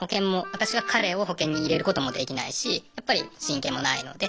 私が彼を保険に入れることもできないしやっぱり親権もないので。